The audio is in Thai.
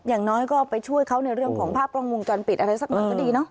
อย่างน้อยก็ไปช่วยเขาในเรื่องของภาพกล้องวงจรปิดอะไรสักหน่อยก็ดีเนาะ